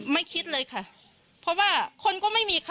ไม่คิดเลยค่ะเพราะว่าคนก็ไม่มีค่ะ